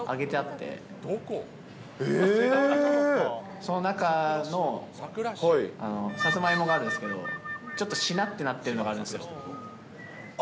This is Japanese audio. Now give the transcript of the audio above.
その中のサツマイモがあるんですけど、ちょっとしなってなってるのがあるんですよ。